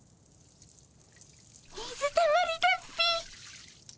水たまりだっピィ。